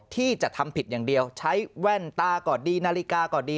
ที่จะทำผิดอย่างเดียวใช้แว่นตาก็ดีนาฬิกาก็ดี